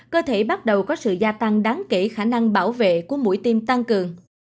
cơ thể bắt đầu có sự gia tăng đáng kể khả năng bảo vệ của mũi tiêm tăng cường